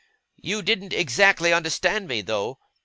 You didn't exactly understand me, though?